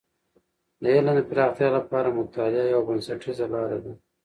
د علم د پراختیا لپاره مطالعه یوه بنسټیزه لاره ده.